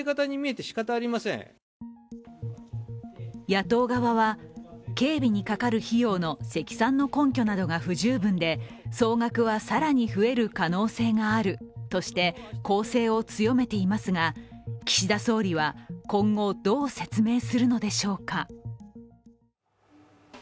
野党側は、警備にかかる費用の積算の根拠などが不十分で総額は更に増える可能性があるとして攻勢を強めていますが岸田総理は、今後どう説明するのでしょうか。